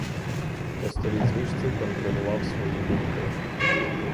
По старій звичці контролював свої думки.